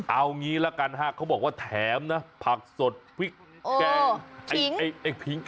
เอาอย่างนี้ละกันครับเขาบอกว่าแถมนะพักสดพริกแกง